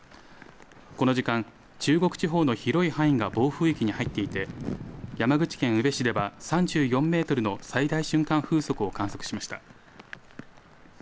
この時間、中国地方の広い範囲が暴風域に入っていて、山口県宇部市では、３４メートルの最大瞬間風速を観測しました。